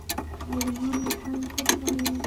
پارلمان له پیل تر پایه